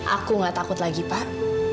aku nggak takut lagi pak